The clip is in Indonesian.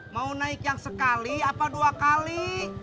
mau naik yang sekali apa dua kali